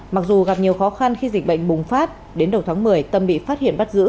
mặc dù gặp nhiều khó khăn khi dịch bệnh bùng phát đến đầu tháng một mươi tâm bị phát hiện bắt giữ